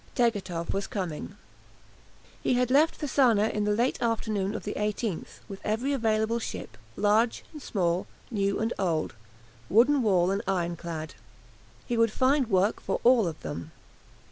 Tegethoff was coming. He had left Fasana late on the afternoon of the 18th, with every available ship, large and small, new and old, wooden wall and ironclad. He would find work for all of them.